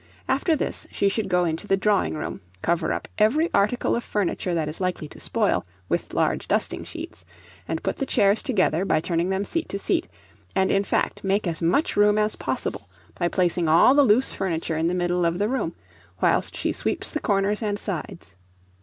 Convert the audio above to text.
After this she should go into the drawing room, cover up every article of furniture that is likely to spoil, with large dusting sheets, and put the chairs together, by turning them seat to seat, and, in fact, make as much room as possible, by placing all the loose furniture in the middle of the room, whilst she sweeps the corners and sides.